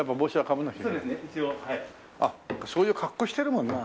あっそういう格好してるもんな。